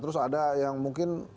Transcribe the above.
terus ada yang mungkin